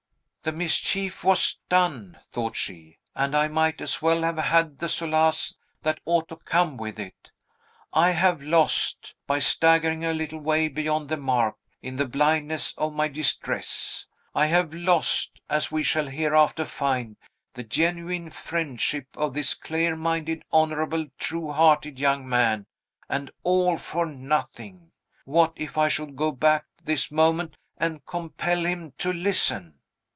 "The mischief was done," thought she; "and I might as well have had the solace that ought to come with it. I have lost, by staggering a little way beyond the mark, in the blindness of my distress, I have lost, as we shall hereafter find, the genuine friendship of this clear minded, honorable, true hearted young man, and all for nothing. What if I should go back this moment and compel him to listen?"